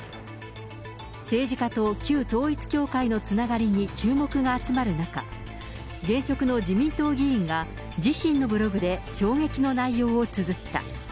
政治家と旧統一教会のつながりに注目が集まる中、現職の自民党議員が、自身のブログで衝撃の内容をつづった。